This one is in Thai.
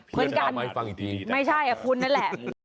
เพื่อนกันไม่ใช่คุณนั่นแหละ